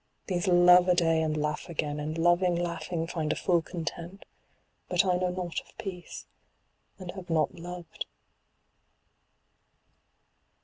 these love a day and laugh again, and loving, laughing, find a full content; but I know nought of peace, and have not loved.